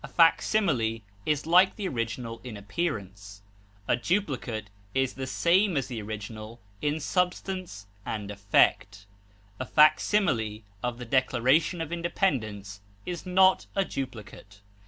A facsimile is like the original in appearance; a duplicate is the same as the original in substance and effect; a facsimile of the Declaration of Independence is not a duplicate.